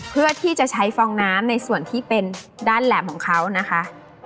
เพื่อที่จะใช้ฟองน้ำในส่วนที่เป็นด้านแหลมของเขานะคะ